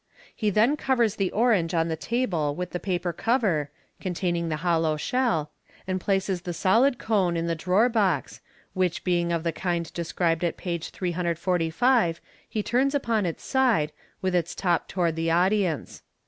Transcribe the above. He then covers the orange on the table with the paper cover (containing the hollow shell), and places the solid cone in the drawer box, which being of the kind described at page 345, he turns upon its side, with its top toward the audience.